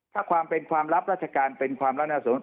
ถ้าความเป็นความลับราชการเป็นความลับน่าสมมุติ